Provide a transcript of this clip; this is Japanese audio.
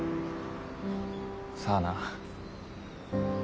さあな。